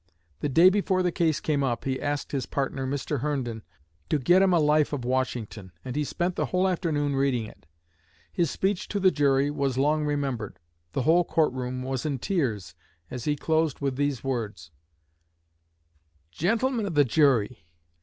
The day before the case came up he asked his partner, Mr. Herndon, to get him a "Life of Washington," and he spent the whole afternoon reading it. His speech to the jury was long remembered. The whole court room was in tears as he closed with these words: "Gentlemen of the jury.